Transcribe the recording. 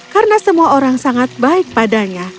karena semua orang sangat baik padanya